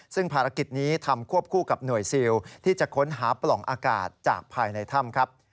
ซึ่งภารกิจนี้ทำควบคู่กับหน่วยซิลที่จะค้นหาปล่องอากาศจากภายในถ้ำครับ